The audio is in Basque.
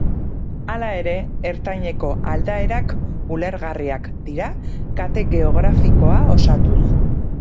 Hala ere ertaineko aldaerak ulergarriak dira kate-geografikoa osatuz.